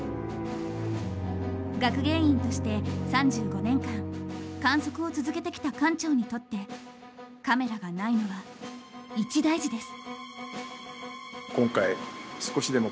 学芸員として３５年間観測を続けてきた館長にとってカメラがないのは一大事です。